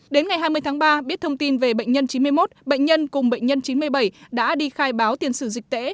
đến ngày hai mươi tháng ba biết thông tin về bệnh nhân chín mươi một bệnh nhân cùng bệnh nhân chín mươi bảy đã đi khai báo tiền sử dịch tễ